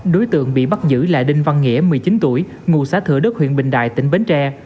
đối tượng bị bắt giữ là đinh văn nghĩa một mươi chín tuổi ngụ xã thừa đức huyện bình đại tỉnh bến tre